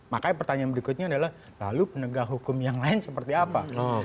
makanya pertanyaan berikutnya adalah lalu penegak hukum yang lain seperti apa